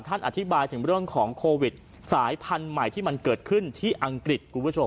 อธิบายถึงเรื่องของโควิดสายพันธุ์ใหม่ที่มันเกิดขึ้นที่อังกฤษคุณผู้ชม